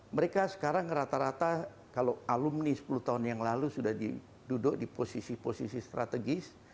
mereka sekarang rata rata kalau alumni sepuluh tahun yang lalu sudah duduk di posisi posisi strategis